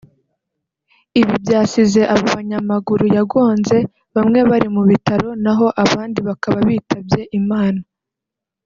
Ibi byasize abo banyamaguru yagonze bamwe bari mu bitaro naho abandi bakaba bitabye Imana